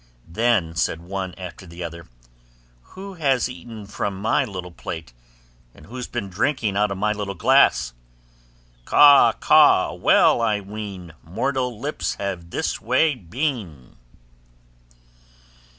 Then said one after the other, 'Who has eaten from my little plate? And who has been drinking out of my little glass?' 'Caw! Caw! well I ween Mortal lips have this way been.